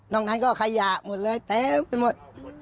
นั้นก็ขยะหมดเลยเต็มไปหมด